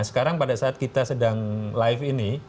sekarang pada saat kita sedang live ini